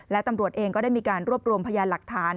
และตำรวจเองก็ได้มีการรวบรวมพยานหลักฐาน